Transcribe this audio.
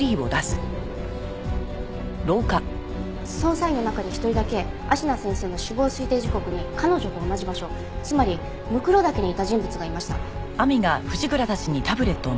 捜査員の中に１人だけ芦名先生の死亡推定時刻に彼女と同じ場所つまり骸岳にいた人物がいました。